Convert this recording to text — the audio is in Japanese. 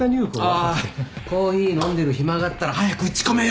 おいコーヒー飲んでる暇があったら早く打ち込めよ。